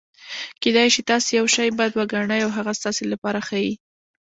کېدای سي تاسي یوشي بد ګڼى او هغه ستاسي له پاره ښه يي.